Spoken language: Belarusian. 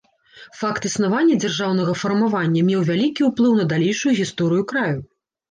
Факт існавання дзяржаўнага фармавання меў вялікі ўплыў на далейшую гісторыю краю.